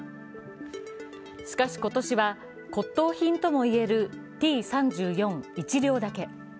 しかし今年は骨とう品ともいえるＴ−３４、１両だけ。